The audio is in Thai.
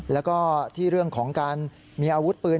แล้วก็ที่เรื่องของการมีอาวุธปืน